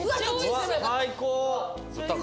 最高！